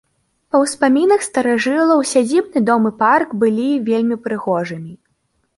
Па ўспамінах старажылаў сядзібны дом і парк былі вельмі прыгожымі.